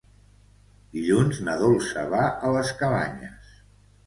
Dilluns na Dolça va a les Cabanyes.